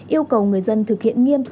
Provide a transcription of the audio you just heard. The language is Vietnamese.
yêu cầu người dân thực hiện nghiêm